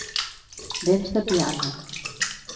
Dents de piano.